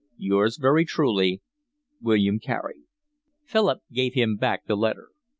Yours very truly, William Carey. Philip gave him back the letter.